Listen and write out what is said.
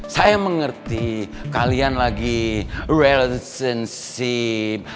saya mengerti kalian lagi relationship